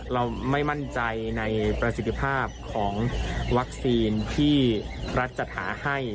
เราไม่มั่นใจในประสิทธิภาพของวัคซีนที่รัฐจัดหาให้